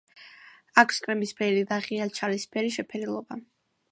აქვს კრემისფერი და ღია ჩალისფერი შეფერილობა.